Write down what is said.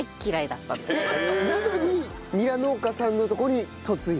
なのにニラ農家さんのところに嫁いだ？